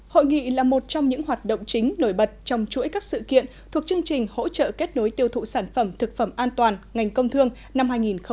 hội nghị là một trong những hoạt động chính nổi bật trong chuỗi các sự kiện thuộc chương trình hỗ trợ kết nối tiêu thụ sản phẩm thực phẩm an toàn ngành công thương năm hai nghìn hai mươi